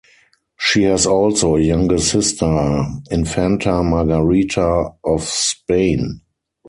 She has also a younger sister, Infanta Margarita of Spain.